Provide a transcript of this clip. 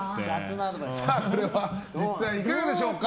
これは実際いかがでしょうか。